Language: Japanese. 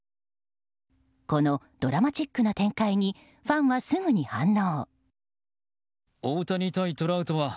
このドラマティックな展開にファンはすぐに反応。